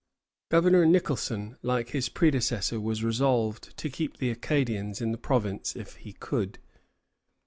Governor Nicholson, like his predecessor, was resolved to keep the Acadians in the province if he could.